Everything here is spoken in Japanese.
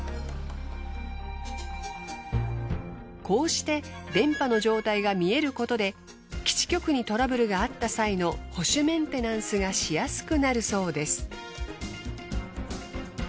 こうして電波の状態が見えることで基地局にトラブルがあった際の保守メンテナンスがしやすくなるそうです。